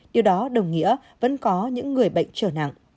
điều đó đồng nghĩa vẫn có những người bệnh trở nặng